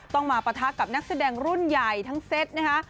ต้องมาปะทะกับนักแสดงรุ่นใหญ่ทั้งเซตนะคะ